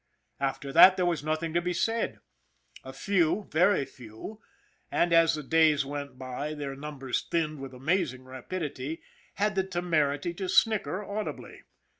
After that there was nothing to be said. A few, very few, and as the days went by their numbers thinned with amazing rapidity, had the temerity to snicker audibly.